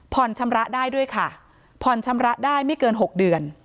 ชำระได้ด้วยค่ะผ่อนชำระได้ไม่เกิน๖เดือน